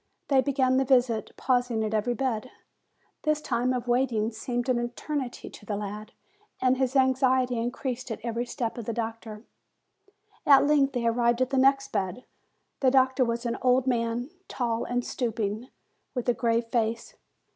They began the visit, pausing at every bed. This time of waiting seemed an eternity to the lad, and his anxiety increased at every step of the doctor. At length they arrived at the next bed. The doctor was an old man, tall and stooping, with a grave face.